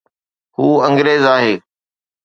هو انگريز آهي